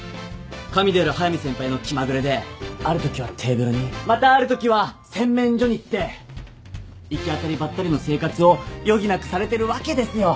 神である速見先輩の気まぐれである時はテーブルにまたある時は洗面所に行って行き当たりばったりの生活を余儀なくされてるわけですよ。